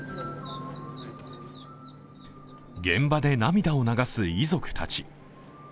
現場で涙を流す遺族たち。